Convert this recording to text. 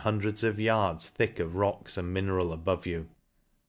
hundreds of yards thick of rocks and mineral, above vou.